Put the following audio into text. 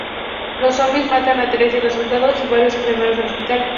Los zombies matan a tres de los soldados y varios enfermeros del hospital.